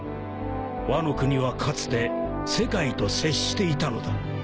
［ワノ国はかつて世界と接していたのだ］